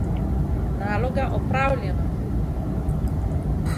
Naloga opravljena!